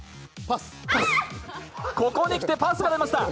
ここにきてパスが出ました。